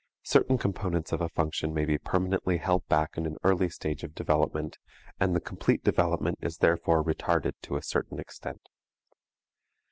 Certain components of a function may be permanently held back in an early stage of development and the complete development is therefore retarded to a certain extent.